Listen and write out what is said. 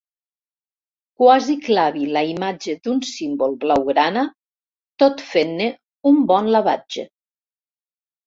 Quasi clavi la imatge d'un símbol blaugrana, tot fent-ne un bon lavatge.